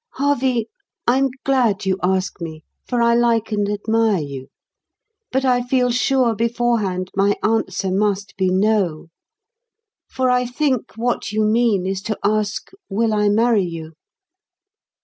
"Harvey, I'm glad you ask me, for I like and admire you. But I feel sure beforehand my answer must be no. For I think what you mean is to ask, will I marry you?"